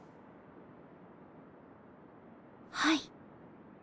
はい。